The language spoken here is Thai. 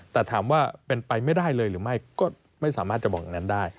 แต่ถามว่าเป็นไปไม่ได้เลยหรือไม่ก็ไม่สามารถจะบอกอย่างนั้นได้